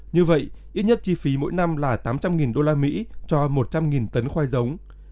như vậy ít nhất chi phí mỗi năm là tám trăm linh đô la mỹ cho một trăm linh tấn khoai giống